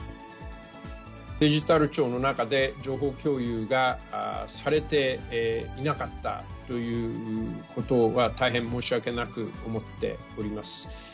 デジタル庁の中で、情報共有がされていなかったということは、大変申し訳なく思っております。